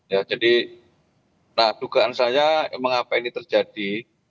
ya jadi nah dugaan saya mengapa ini terjadi